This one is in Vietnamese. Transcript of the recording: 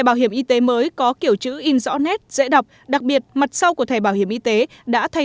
bảo hiểm y tế mới có kiểu chữ in rõ nét dễ đọc đặc biệt mặt sau của thẻ bảo hiểm y tế đã thay